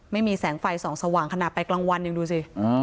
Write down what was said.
ไม่มีแสงไฟส่องสว่างขนาดไปกลางวันยังดูสิ